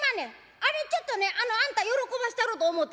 あれちょっとねあのあんた喜ばしたろうと思うて」。